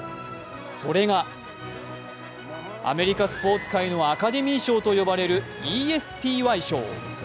それが、アメリカスポーツ界のアカデミー賞と言われるＥＳＰＹ賞。